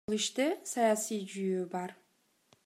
Бул иште саясий жүйөө бар.